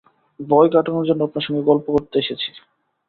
ভয় কাটানোর জন্যে আপনার সঙ্গে গল্প করতে এসেছি।